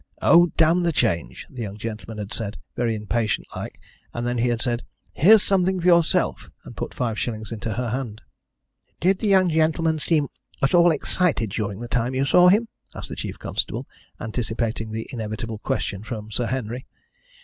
"Oh, damn the change!" the young gentleman had said, very impatient like, and then he had said, "Here's something for yourself," and put five shillings into her hand. "Did the young gentleman seem at all excited during the time you saw him?" asked the chief constable, anticipating the inevitable question from Sir Henry.